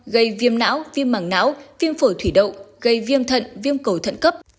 gây viêm não viêm mảng não viêm phổi thủy đậu gây viêm thận viêm cầu thận cấp